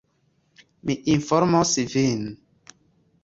Mi informos vin.